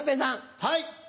はい。